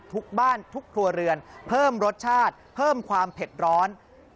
ทุกบ้านทุกครัวเรือนเพิ่มรสชาติเพิ่มความเผ็ดร้อน